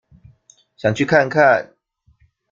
想去看看